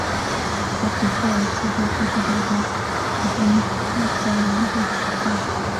格普费尔斯多夫是德国图林根州的一个市镇。